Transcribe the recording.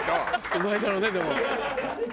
うまいだろうねでも。